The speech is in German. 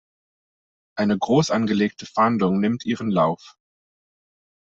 Eine großangelegte Fahndung nimmt ihren Lauf.